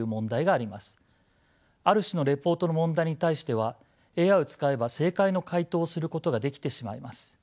ある種のレポートの問題に対してはＡＩを使えば正解の回答をすることができてしまいます。